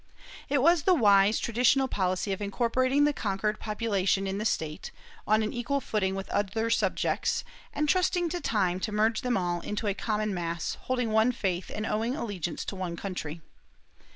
^ It was the wise traditional policy of incorporating the conquered population in the state, on an equal footing with other subjects, and trusting to time to merge them all into a common mass, holding one faith and owing allegiance to one country.